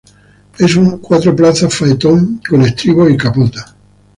Es un cuatro plazas faetón con estribos y capota.